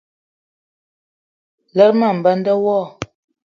Lerma mema wo.